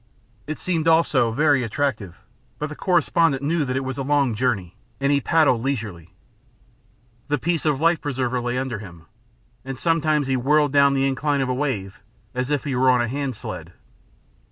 It seemed also very attractive, but the correspondent knew that it was a long journey, and he paddled leisurely. The piece of life preserver lay under him, and sometimes he whirled down the incline of a wave as if he were on a handsled.